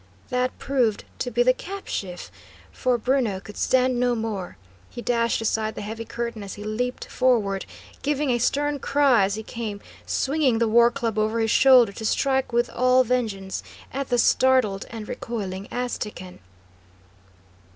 That proved to be the cap sheaf, for Bruno could stand no more. He dashed aside the heavy curtain as he leaped forward, giving a stern cry as he came, swinging the war club over his shoulder to strike with all vengeance at the startled and recoiling Aztecan.